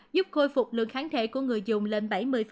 giúp khôi phục lượng kháng thể của người dùng lên bảy mươi